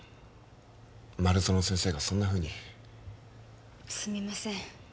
丸園先生がそんなふうにすみません